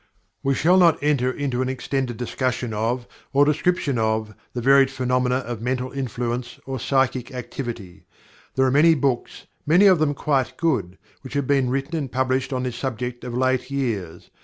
We shall not enter into an extended discussion of, or description of, the varied phenomena of mental influence or psychic activity. There are many books, many of them quite good, which have been written and published on this subject of late years.